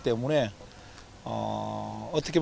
kami sudah berbicara dengan presija jakarta